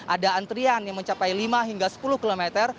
ada antrian yang mencapai lima hingga sepuluh km